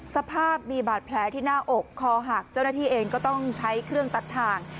สภาพมีบาดแผลที่หน้าอกคอหักเจ้าหน้าที่เองก็ต้องใช้เครื่องตัดทาง